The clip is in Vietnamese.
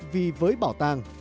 vì với bảo tàng